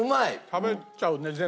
食べちゃう。